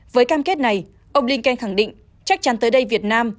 với cam kết này ông linken khẳng định chắc chắn tới đây việt nam